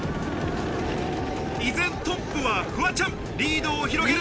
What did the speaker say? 依然トップはフワちゃん、リードを広げる。